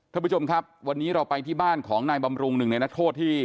ท่านผู้ชมครับวันนี้เราไปที่บ้านของนายบำรุงหนึ่งในนักโทษที่